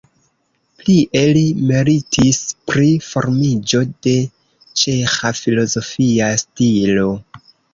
Plie li meritis pri formiĝo de ĉeĥa filozofia stilo.